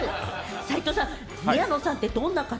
齊藤さん、宮野さんってどんな方？